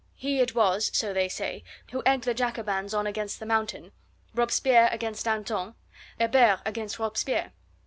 He it was, so they say, who egged the Jacobins on against the Mountain, Robespierre against Danton, Hebert against Robespierre.